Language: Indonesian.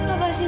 apa sih mila